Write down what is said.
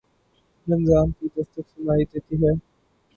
رمضان کی دستک سنائی دیتی ہے۔